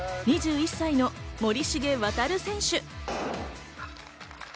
２１歳の森重航選手。